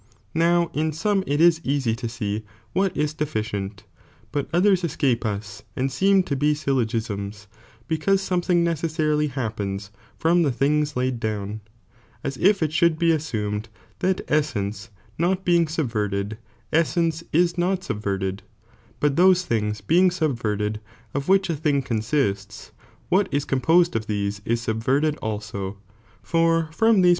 Now in some it is easy to see what is deficient, but others escape us, and seem to be Byllogisms,^ because something necessarily ^^ happens from the things laid down, as if it should be assumed ^K that essence not being subverted, essence is not subverted,' ^H but those things being subverted, of which a thing consists, ^H what is composed of these is subverted also; for from the^ i propDBilions than into terms.